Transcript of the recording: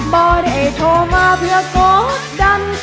บ่ได้โทรมาเพื่อกดดัน